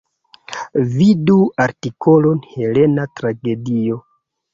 Vidu artikolon Helena tragedio.